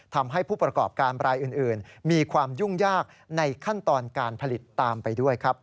ทำให้ผู้ประกอบการรายอื่นมีความยุ่งยากในขั้นตอนการผลิตตามไปด้วยครับ